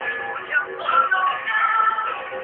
天顺四年侍讲读于东宫。